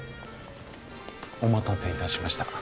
お待たせいたしました。